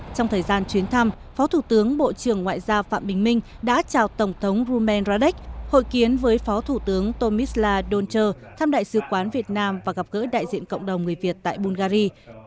trong thời gian chuyến thăm phó thủ tướng bộ trưởng ngoại giao phạm bình minh đã chào tổng thống rumen radek hội kiến với phó thủ tướng tomisla doncher thăm đại sứ quán việt nam và gặp gỡ đại diện cộng đồng người việt tại bungary